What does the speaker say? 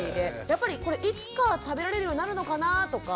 やっぱりこれいつか食べられるようになるのかなぁとか。